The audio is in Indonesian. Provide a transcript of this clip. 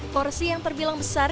korsi yang terbilang besar